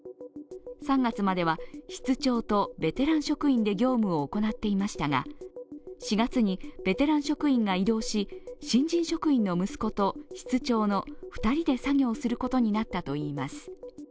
３月までは室長とベテラン職員で業務を行っていましたが４月にベテラン職員が異動し新人職員の息子と室長の２人で作業することになったといいます。